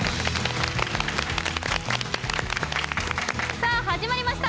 さあ始まりました